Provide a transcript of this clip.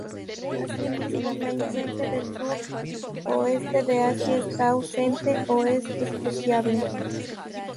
Asimismo, la influencia del sur o este de Asia está ausente o es despreciable.